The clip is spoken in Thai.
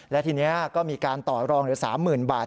และทีนี้ก็มีการต่อรองเหลือ๓๐๐๐บาท